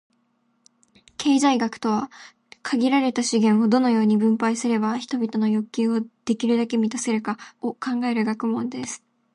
経済学とは、「限られた資源を、どのように分配すれば人々の欲求をできるだけ満たせるか」を考える学問です。